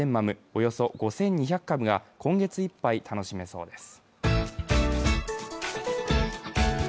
およそ５２００株が今月いっぱい、楽しめそうです。